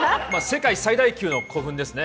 世界最大級の古墳ですね。